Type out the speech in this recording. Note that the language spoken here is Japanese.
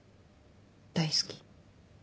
大好き。